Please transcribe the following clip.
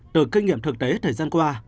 từ kinh nghiệm thực tế thời gian qua